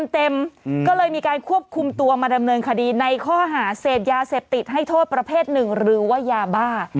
ก็เลยมีการควบคุมตัวมาดำเนินคดีในข้อหาเสพยาเสพติดให้โทษประเภทหนึ่งหรือว่ายาบ้า